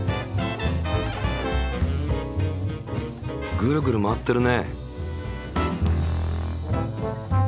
ぐるぐる回ってるね。